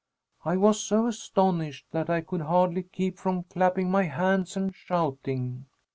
I was so astonished that I could hardly keep from clapping my hands and shouting.